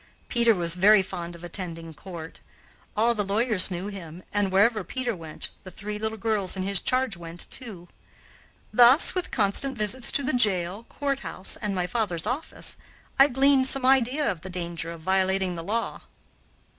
Peter was very fond of attending court. All the lawyers knew him, and wherever Peter went, the three little girls in his charge went, too. Thus, with constant visits to the jail, courthouse, and my father's office, I gleaned some idea of the danger of violating the law.